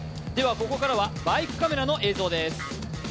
ここからはバイクカメラの映像です。